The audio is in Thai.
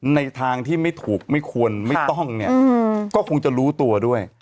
ในทางที่ไม่ถูกไม่ควรไม่ต้องเนี่ยก็คงจะรู้ตัวด้วย